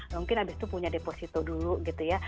mungkin abis itu punya deposito dulu gitu ya